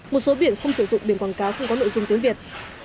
một số biển không sử dụng biển quảng cáo không có nội dung tiếng việt